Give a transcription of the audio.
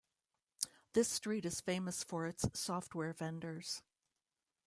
This street is famous for its software vendors.